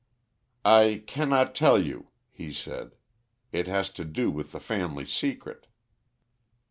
"I cannot tell you," he said. "It has to do with the family secret."